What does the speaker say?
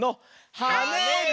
「はねる」！